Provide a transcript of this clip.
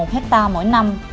một hecta mỗi năm